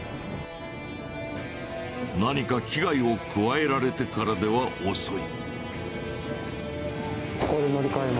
何か危害を加えられてからでは遅い。